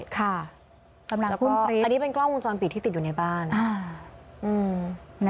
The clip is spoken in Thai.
ค่ะอันนี้เป็นกล้องวงจรปิดที่ติดอยู่ในบ้าน